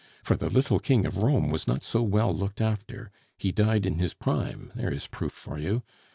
for the little King of Rome was not so well looked after. He died in his prime; there is proof for you....